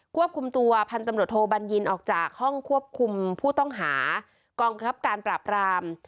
ควบคุมตัวพันธุ์ตำรวจโทบัญญินออกจากห้องควบคุมผู้ต้องหากองบังคับการปราบราม